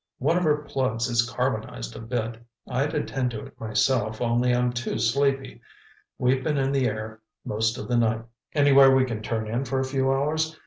One of her plugs is carbonized a bit. I'd attend to it myself, only I'm too sleepy. We've been in the air most of the night. Anywhere we can turn in for a few hours?